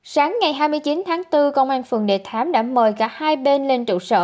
sáng ngày hai mươi chín tháng bốn công an phường đề thám đã mời cả hai bên lên trụ sở